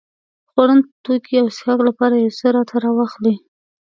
خوړن توکي او څښاک لپاره يو څه راته راواخلې.